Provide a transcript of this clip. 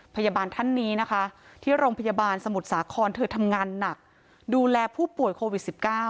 ท่านนี้นะคะที่โรงพยาบาลสมุทรสาครเธอทำงานหนักดูแลผู้ป่วยโควิด๑๙